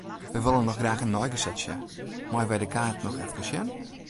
Wy wolle noch graach in neigesetsje, meie wy de kaart noch efkes sjen?